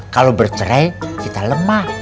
kalau bercerai kita lemah